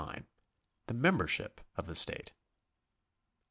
The Membership of the State.